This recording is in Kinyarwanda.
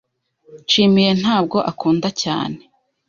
Nshimiye ntabwo ankunda cyane.